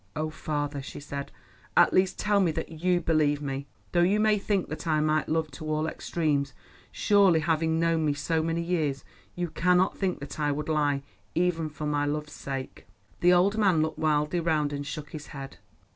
"Oh, father," she said, "at least tell me that you believe me. Though you may think that I might love to all extremes, surely, having known me so many years, you cannot think that I would lie even for my love's sake." The old man looked wildly round, and shook his head.